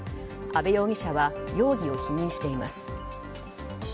阿部容疑者は容疑を否認しています。